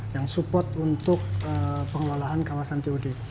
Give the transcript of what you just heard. yang support untuk pengelolaan kawasan tod